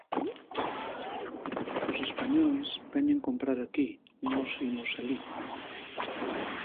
Os españois veñen comprar aquí nos imos alí.